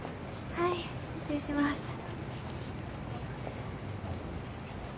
はい失礼します。